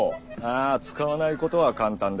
ああ使わないことは簡単だ。